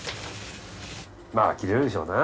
まああきれるでしょうな。